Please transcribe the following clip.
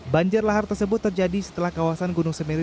banjir lahar tersebut terjadi setelah kawasan gunung semeru